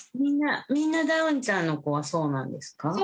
みんなみんなダウンちゃんの子はそうなんですか？